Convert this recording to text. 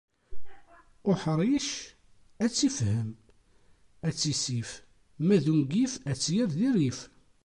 Uḥric ad tt-ifhem ad tt-issif ma d ungif ad tt-yerr di rrif.